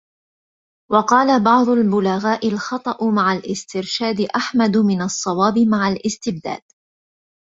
وَقَالَ بَعْضُ الْبُلَغَاءِ الْخَطَأُ مَعَ الِاسْتِرْشَادِ أَحْمَدُ مِنْ الصَّوَابِ مَعَ الِاسْتِبْدَادِ